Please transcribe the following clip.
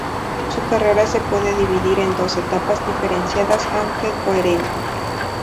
Su carrera se puede dividir en dos etapas diferenciadas aunque coherentes.